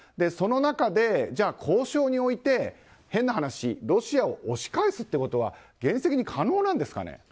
その中で、交渉において変な話ロシアを押し返すってことは現実的に可能なんですかね。